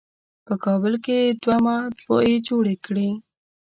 په کابل کې یې دوه مطبعې جوړې کړې.